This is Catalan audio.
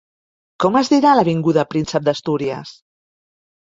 Com es dirà l'avinguda Príncep d'Astúries?